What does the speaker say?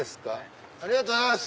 ありがとうございます！